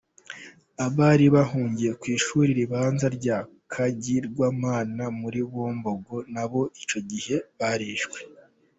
Abari bahungiye ku ishuri ribanza rya Kagirwamana muri Bumbogo nabo icyo gihe barishwe.